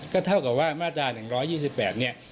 ก็เท่ากับว่ามาตรา๑๒๘เนี่ย